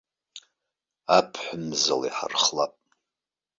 Аԥҳә мзала иҳархлап.